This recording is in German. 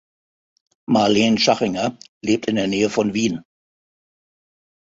Marlen Schachinger lebt in der Nähe von Wien.